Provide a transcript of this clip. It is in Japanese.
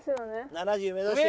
７０目指して。